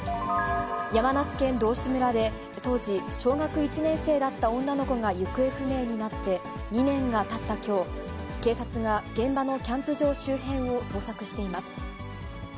山梨県道志村で、当時小学１年生だった女の子が行方不明になって２年がたったきょう、警察が現場のキャンプ場周辺を捜索しています。